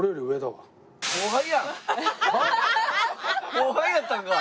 後輩やったんか！